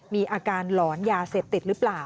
มีอาการหลอนยาเสพติดหรือเปล่า